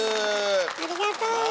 ありがと。